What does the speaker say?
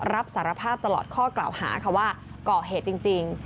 รับสารภาพตลอดข้อกล่าวหาค่ะว่าก่อเหตุจริง